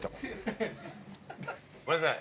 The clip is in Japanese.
ごめんなさい。